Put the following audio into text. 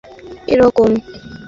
ওহ, সেখানে সমুদ্রের আবহাওয়াটাই এরকম!